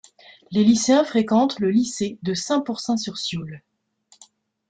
Les lycéens fréquentent le lycée de Saint-Pourçain-sur-Sioule.